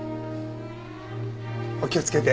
お気をつけて。